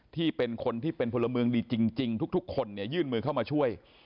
ที่เป็นคนที่เป็นพลเมืองดีจริงทุกคนยื่นมือเข้ามาช่วย